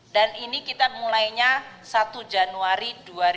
dan ini kita mulainya satu januari dua ribu dua puluh